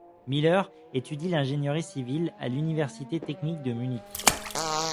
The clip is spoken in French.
Miller étudie l'ingénierie civile à l'université technique de Munich.